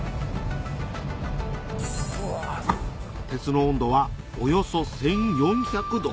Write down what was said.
鉄の温度はおよそ１４００℃